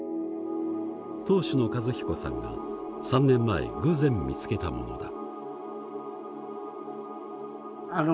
当主の和彦さんが３年前偶然見つけたものだ。